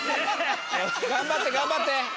頑張って頑張って！